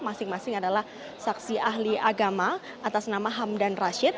masing masing adalah saksi ahli agama atas nama hamdan rashid